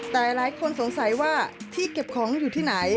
แต่หลายคนสงสัยว่าที่เก็บของอยู่ที่ไหน